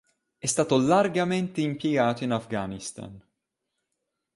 È stato largamente impiegato in Afghanistan.